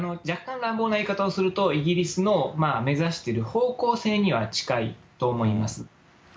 若干乱暴な言い方をすると、イギリスの目指している方向性には近いと思います。